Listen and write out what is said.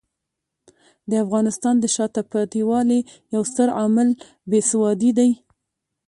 د افغانستان د شاته پاتې والي یو ستر عامل بې سوادي دی.